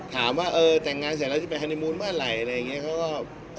ถามว่าเออแต่งงานเสร็จแล้วจะไปฮานีมูลเมื่อไหร่อะไรอย่างนี้